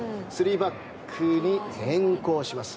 ３バックに変更します。